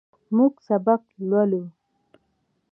موږ سبق لولو.